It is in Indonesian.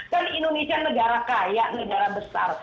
kan indonesia negara kaya negara besar